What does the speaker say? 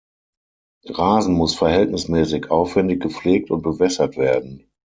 Rasen muss verhältnismäßig aufwändig gepflegt und bewässert werden.